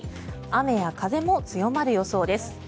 雨や風も強まる予想です。